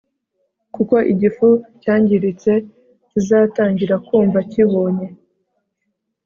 kuko igifu cyangiritse kizatangira kumva kibonye